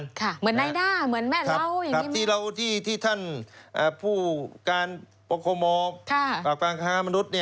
การทำงานเหมือนไนด้าเหมือนแม่เล่าทัพทีเล่าที่ท่านผู้การประโคมงค์ประการค้ามนุษย์